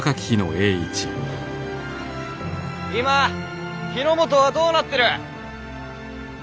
今日の本はどうなってる？